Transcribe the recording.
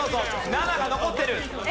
７が残ってる。